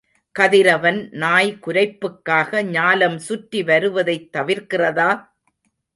கதிரவன் நாய் குரைப்புக்காக ஞாலம் சுற்றி வருவதைத் தவிர்க்கிறதா?